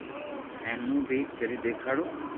ھين ھون ڊ ڪري ديکاڙو